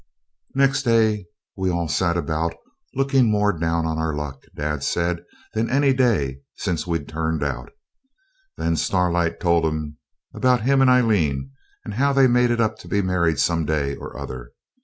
Next day we all sat about, looking more down on our luck, dad said, than any day since we'd 'turned out'. Then Starlight told him about him and Aileen, how they'd made it up to be married some day or other.